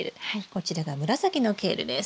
こちらが紫のケールです。